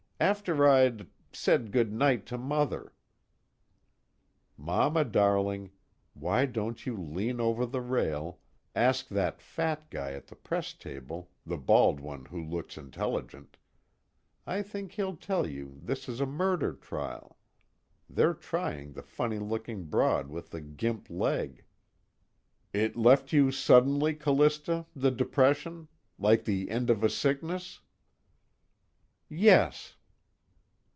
After I'd said good night to Mother." _Mama darling, why don't you lean over the rail, ask that fat guy at the press table, the bald one who looks intelligent I think he'll tell you this is a murder trial. They're trying the funny looking broad with the gimp leg._ "It left you suddenly, Callista, the depression? Like the end of a sickness?" "Yes."